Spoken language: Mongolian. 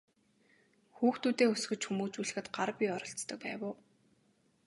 Хүүхдүүдээ өсгөж хүмүүжүүлэхэд гар бие оролцдог байв уу?